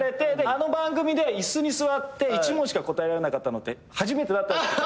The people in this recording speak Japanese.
あの番組で椅子に座って１問しか答えられなかったの初めてだったらしくて。